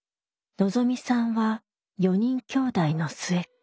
のぞみさんは４人きょうだいの末っ子。